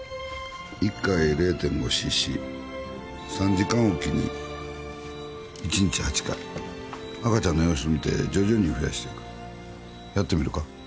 ・１回０．５ｃｃ３時間おきに１日８回赤ちゃんの様子を見て徐々に増やしていくやってみるか？